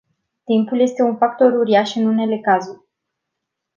Timpul este un factor uriaș în unele cazuri.